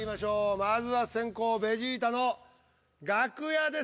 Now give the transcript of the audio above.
まずは先攻ベジータの楽屋です。